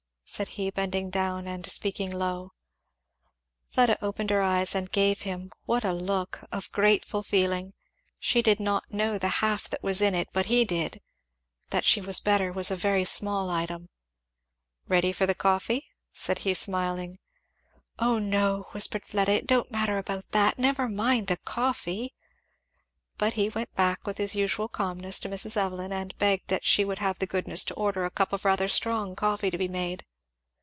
said he, bending down and speaking low. Fleda opened her eyes and gave him, what a look! of grateful feeling. She did not know the half that was in it; but he did. That she was better was a very small item. "Ready for the coffee?" said he smiling. "O no," whispered Fleda, "it don't matter about that never mind the coffee!" But he went back with his usual calmness to Mrs. Evelyn and begged that she would have the goodness to order a cup of rather strong coffee to be made.